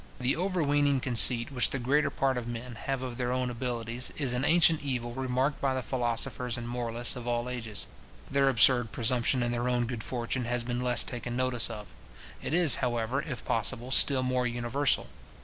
The over weening conceit which the greater part of men have of their own abilities, is an ancient evil remarked by the philosophers and moralists of all ages. Their absurd presumption in their own good fortune has been less taken notice of. It is, however, if possible, still more universal.